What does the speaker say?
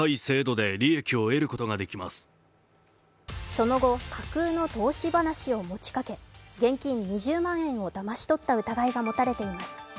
その後、架空の投資話を持ちかけ、現金２０万円をだまし取った疑いが持たれています。